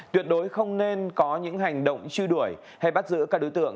tuyệt đối không nên có những hành động truy đuổi hay bắt giữ các đối tượng